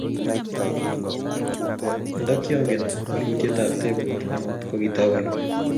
nfikyogen waletab tebut amut kitawalu